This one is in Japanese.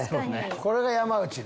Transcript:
これが山内の。